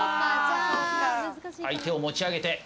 相手を持ち上げて。